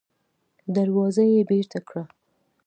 دروازه يې بېرته کړه.